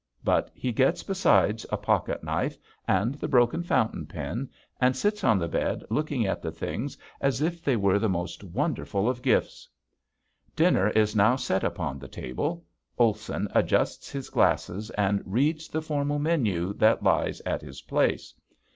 But he gets besides a pocketknife and the broken fountain pen and sits on the bed looking at the things as if they were the most wonderful of gifts. Dinner is now set upon the table. Olson adjusts his glasses and reads the formal menu that lies at his place.